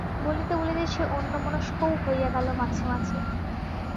বলিতে বলিতে সে অন্যমনস্কও হইয়া গেল মাঝে মাঝে।